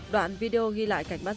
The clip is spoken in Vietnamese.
đoạn video ghi lại cảnh mắt